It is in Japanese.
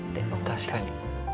確かに。